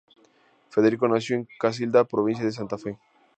Federico nació en Casilda, Provincia de Santa Fe.